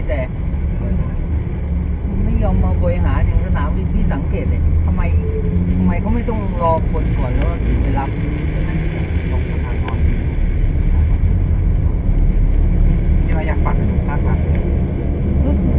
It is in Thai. แต่ไม่ยอมมาเบย์หาเด็กสาวที่สังเกตทำไมเขาไม่ต้องรอคนก่อนแล้วรอคนไปรับ